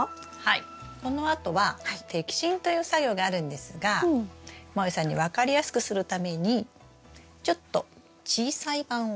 このあとは摘心という作業があるんですがもえさんに分かりやすくするためにちょっと小さい版を。